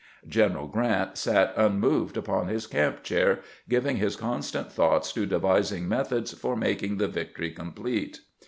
General Grant sat unmoved upon his camp chair, giving his constant thoughts to devising methods for making the victory complete.